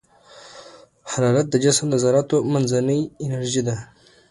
حرارت د جسم د ذراتو منځنۍ انرژي ده.